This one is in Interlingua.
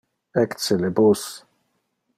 Ecce le bus.